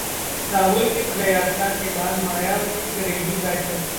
राहुल की पदयात्रा के बाद मायावती करेगी बैठक